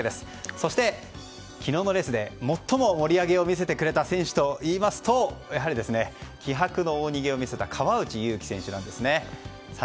そして、昨日のレースで最も盛り上げを見せてくれた選手といいますとやはり、気迫の大逃げを見せた川内優輝選手なんですね。